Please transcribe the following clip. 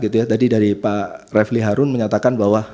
tadi dari pak refli harun menyatakan bahwa